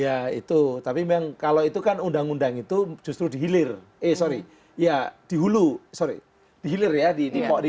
ya itu tapi memang kalau itu kan undang undang itu justru dihilir eh sorry ya di hulu sorry dihilir ya di